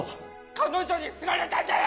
彼女にフラれたんだよ！